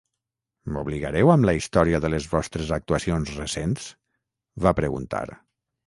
"M'obligareu amb la història de les vostres actuacions recents?", va preguntar.